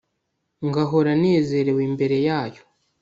Ngahora nezerewe imbere yayo